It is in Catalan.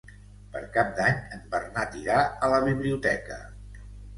Per Cap d'Any en Bernat irà a la biblioteca.